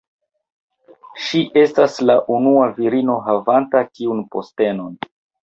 Ŝi estas la unua virino havanta tiun postenon.